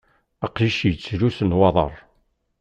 Aqcic yettlus nwaḍar.